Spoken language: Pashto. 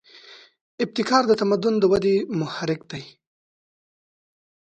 ابتکار د تمدن د ودې محرک دی.